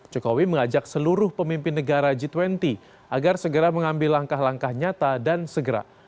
jokowi mengajak seluruh pemimpin negara g dua puluh agar segera mengambil langkah langkah nyata dan segera